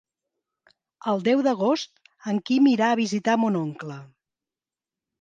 El deu d'agost en Quim irà a visitar mon oncle.